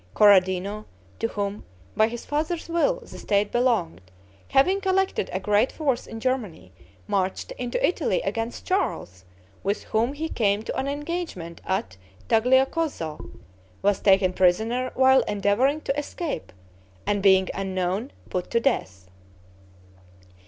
Corradino, to whom, by his father's will, the state belonged, having collected a great force in Germany, marched into Italy against Charles, with whom he came to an engagement at Tagliacozzo, was taken prisoner while endeavoring to escape, and being unknown, put to death.